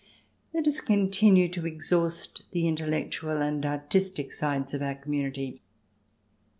Let us continue to exhaust the intellectual and artistic sides of our community.